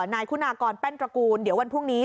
นายคุณากรแป้นตระกูลเดี๋ยววันพรุ่งนี้